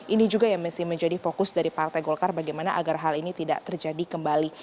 ini juga yang masih menjadi fokus dari partai golkar bagaimana agar hal ini tidak terjadi kembali